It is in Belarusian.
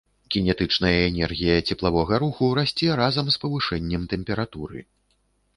Кінетычная энергія цеплавога руху расце разам з павышэннем тэмпературы.